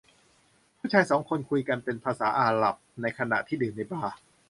ผู้ชายสองคนคุยกันเป็นภาษาอาหรับในขณะที่ดื่มในบาร์